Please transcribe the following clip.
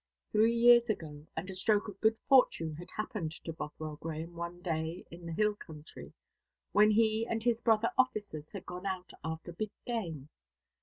Three years ago and a stroke of good fortune had happened to Bothwell Grahame one day in the hill country, when he and his brother officers had gone out after big game.